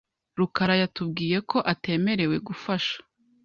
rukara yatubwiye ko atemerewe gufasha .